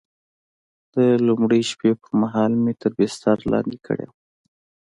د لومړۍ شپې پر مهال مې تر بستر لاندې کړې وه.